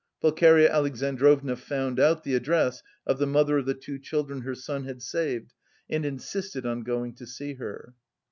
Pulcheria Alexandrovna found out the address of the mother of the two children her son had saved and insisted on going to see her.